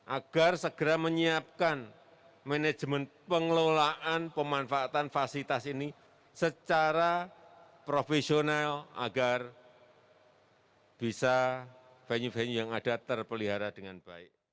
agar segera menyiapkan manajemen pengelolaan pemanfaatan fasilitas ini secara profesional agar bisa venue venue yang ada terpelihara dengan baik